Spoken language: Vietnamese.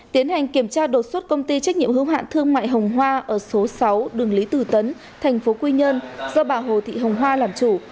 tiến hành kiểm tra đột xuất công ty trách nhiệm hữu hạn thương mại hồng hoa ở số sáu đường lý từ tấn thành phố quy nhơn do bà hồ thị hồng hoa làm chủ